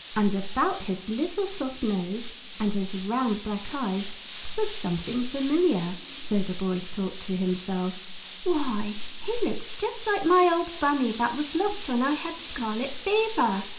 And about his little soft nose and his round black eyes there was something familiar, so that the Boy thought to himself: "Why, he looks just like my old Bunny that was lost when I had scarlet fever!"